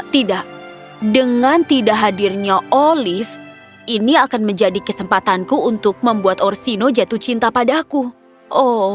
tidak dengan tidak hadirnya olive ini akan menjadi kesempatanku untuk membuat orsino jatuh cinta padaku oh